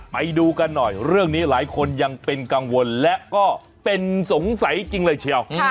ไปดูกันหน่อยเรื่องนี้หลายคนยังเป็นกังวลและก็เป็นสงสัยจริงเลยเชียว